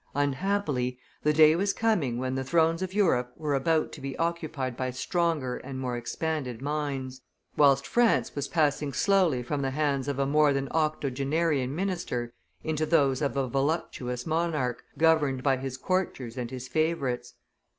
Unhappily, the day was coming when the thrones of Europe were about to be occupied by stronger and more expanded minds, whilst France was passing slowly from the hands of a more than octogenarian minister into those of a voluptuous monarch, governed by his courtiers and his favorites.